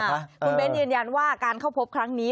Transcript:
คุณเบ้นยืนยันว่าการเข้าพบครั้งนี้